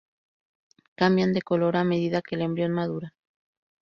Cambian de color a medida que el embrión madura.